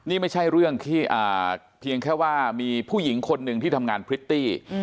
นี่ไม่ใช่เรื่องเพียงแค่ว่ามีผู้หญิงคนหนึ่งที่ทำงานพริตตี้